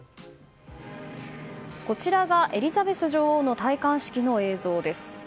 こちらがエリザベス女王の戴冠式の映像です。